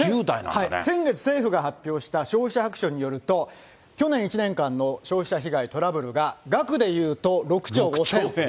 先月、政府が発表した消費者白書によると、去年１年間の消費者被害、トラブルが額でいうと６兆５０００億。